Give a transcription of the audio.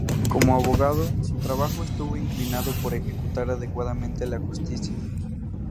Como abogado, su trabajo estuvo inclinado por ejecutar adecuadamente la justicia.